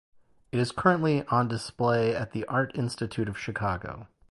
It is currently on display at the Art Institute of Chicago.